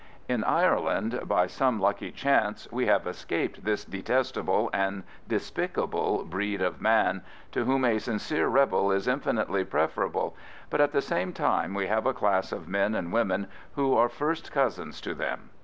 In Ireland, by some lucky chance, we have escaped this detestable and despicable breed of man, to whom a sincere rebel is infinitely preferable, but at the same time we have a class of men and women who are first cousins to them.